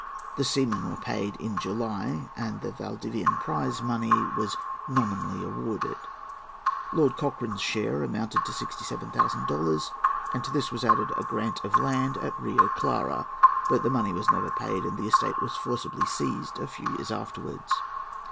The seamen were paid in July, and the Valdivian prize money was nominally awarded. Lord Cochrane's share amounted to 67,000 dollars, and to this was added a grant of land at Rio Clara. But the money was never paid, and the estate was forcibly seized a few years afterwards.